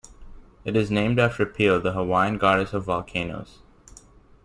It is named after Pele, the Hawaiian goddess of volcanoes.